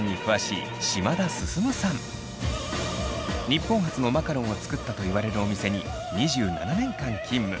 日本初のマカロンを作ったといわれるお店に２７年間勤務。